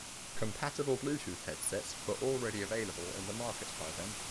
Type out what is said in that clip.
Compatible Bluetooth headsets were already available in the market by then.